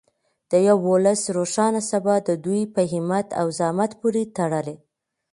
د یو ولس روښانه سبا د دوی په همت او زحمت پورې تړلې.